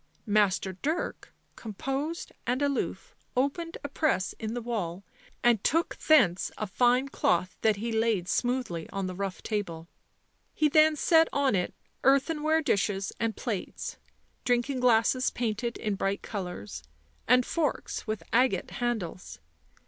Master Dirk, composed and aloof, opened a press in the wall, and took thence a fine cloth that he laid smoothly on the rough table ; then he set on it earthenware dishes and plates, drink ing glasses painted in bright colours, and forks with agate handles.